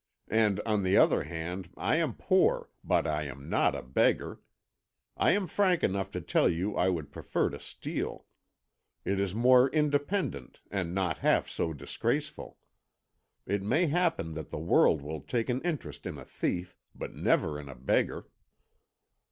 And on the other hand I am poor, but I am not a beggar. I am frank enough to tell you I would prefer to steal. It is more independent, and not half so disgraceful. It may happen that the world would take an interest in a thief, but never in a beggar."